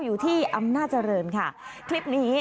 อยู่ที่อำนาจริงค่ะคลิปนี้